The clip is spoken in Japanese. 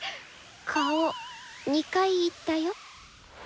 顔２回言ったよ